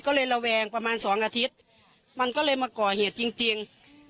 ก็เลยระแวงประมาณสองอาทิตย์มันก็เลยมาก่อเหตุจริงจริง